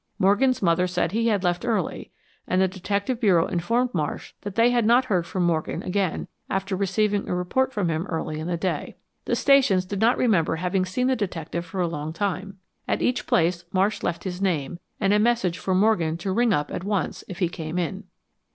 Morgan's mother said he had left early, and the detective bureau informed Marsh that they had not heard from Morgan again after receiving a report from him early in the day. The stations did not remember having seen the detective for a long time. At each place Marsh left his name, and a message for Morgan to ring up at once if he came in.